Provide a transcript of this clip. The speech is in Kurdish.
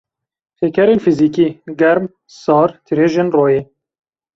Pêkerên fizikî: Germ, sar, tirêjin royê